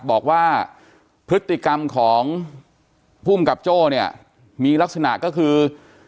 บอกว่าพฤติกรรมของภูมิกับโจ้เนี่ยมีลักษณะก็คือ